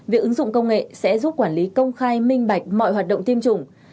việc ứng dụng công nghệ sẽ giúp quản lý công khai minh bạch mọi hoạt động tiêm chủng